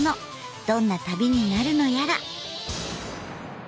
どんな旅になるのやら。